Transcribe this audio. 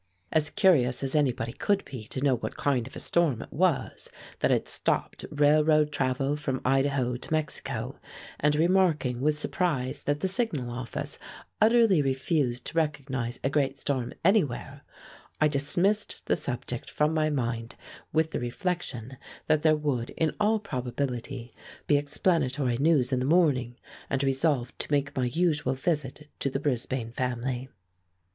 As curious as anybody could be to know what kind of a storm it was that had stopped railroad travel from Idaho to Mexico, and remarking with surprise that the Signal Office utterly refused to recognize a great storm anywhere, I dismissed the subject from my mind with the reflection that there would in all probability be explanatory news in the morning, and resolved to make my usual visit to the Brisbane family.